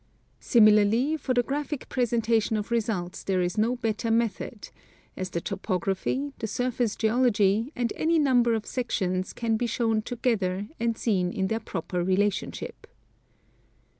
Similarly, for the graphic presentation of results there is no better method, as the topography, the surface geology, and any number of sections can be shown together and seen in their proper relationship.